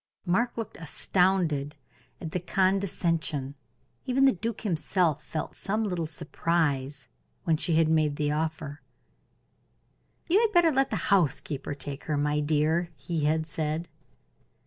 Mark looked astounded at the condescension; even the duke himself felt some little surprise when she had made the offer. "You had better let the housekeeper take her, my dear," he had said.